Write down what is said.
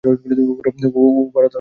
ওওও, Bharat Lal.